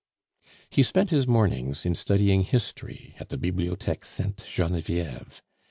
He spent his mornings in studying history at the Bibliotheque Sainte Genevieve.